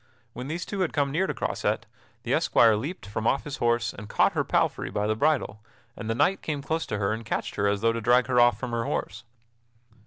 When these two had come near to Croisette, the esquire leaped from off his horse and caught her palfrey by the bridle, and the knight came close to her and catched her as though to drag her off from her horse.